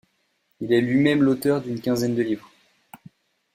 Il est lui-même l'auteur d'une quinzaine de livres.